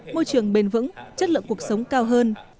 môi trường bền vững chất lượng cuộc sống cao hơn